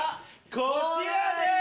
こちらです！